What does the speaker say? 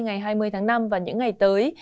ngày hai mươi tháng năm và những ngày tới